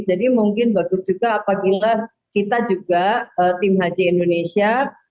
jadi mungkin bagus juga apabila kita juga tim haji indonesia